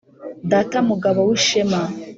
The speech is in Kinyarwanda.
Data Mugabo w’ishema